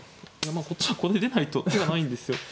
こっちはこれ出ないと手がないんですよ。